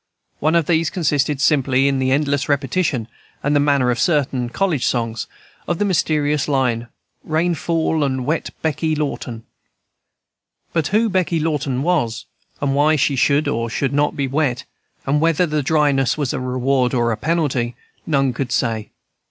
One of these consisted simply in the endless repetition after the manner of certain college songs of the mysterious line, "Rain fall and wet Becky Lawton." But who Becky Lawton was, and why she should or should not be wet, and whether the dryness was a reward or a penalty, none could say.